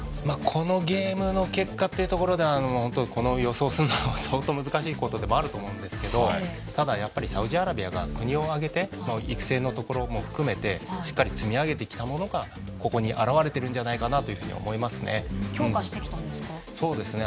このゲームの結果というところでは本当、予想するのは相当難しいことでもあると思うんですけれどもただやっぱりサウジアラビアが国を挙げて育成のところも含めてしっかり積み上げてきたものがここに表れているんじゃないかな強化してきたんですか？